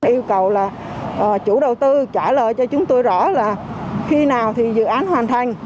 yêu cầu là chủ đầu tư trả lời cho chúng tôi rõ là khi nào thì dự án hoàn thành